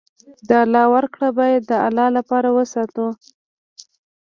د الله ورکړه باید د الله لپاره وساتو.